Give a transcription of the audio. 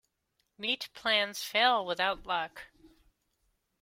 Neat plans fail without luck.